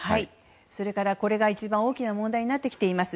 それから、これが一番大きな問題になってきています。